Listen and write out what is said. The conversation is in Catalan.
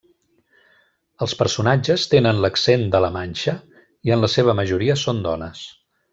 Els personatges tenen l'accent de La Manxa i en la seva majoria són dones.